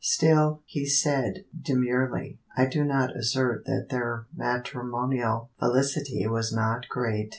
Still, he said, demurely, I do not assert that their matrimonial felicity was not great.